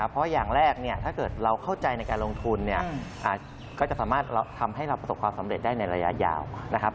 เพราะอย่างแรกเนี่ยถ้าเกิดเราเข้าใจในการลงทุนเนี่ยก็จะสามารถทำให้เราประสบความสำเร็จได้ในระยะยาวนะครับ